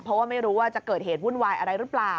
เพราะว่าไม่รู้ว่าจะเกิดเหตุวุ่นวายอะไรหรือเปล่า